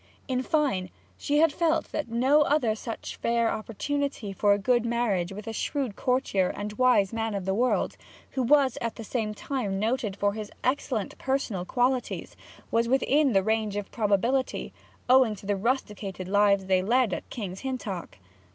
In fine, she had felt that no other such fair opportunity for a good marriage with a shrewd courtier and wise man of the world, who was at the same time noted for his excellent personal qualities, was within the range of probability, owing to the rusticated lives they led at King's Hintock.